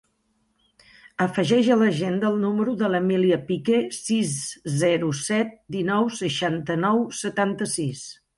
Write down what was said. Afegeix a l'agenda el número de l'Emília Pique: sis, zero, set, dinou, seixanta-nou, setanta-sis.